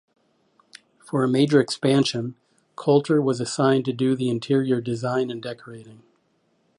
For a major expansion, Colter was assigned to do the interior design and decorating.